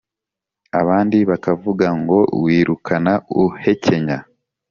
Abandi bakavuga ngo wirukana uhekenya